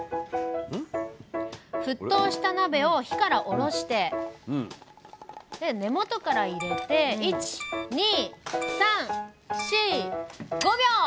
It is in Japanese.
沸騰した鍋を火から下ろして根元から入れて５秒。